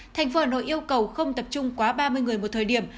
thành phố hà nội yêu cầu không tập trung quá ba mươi người một thời điểm